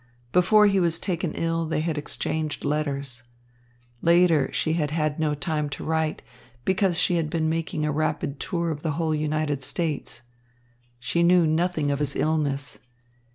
Before he was taken ill they had exchanged letters. Later she had had no time to write because she had been making a rapid tour of the whole United States. She knew nothing of his illness.